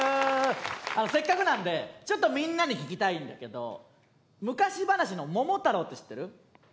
せっかくなのでちょっとみんなに聞きたいんだけど昔話の「桃太郎」って知ってる？